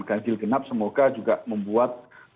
ganjil genap semoga juga membuat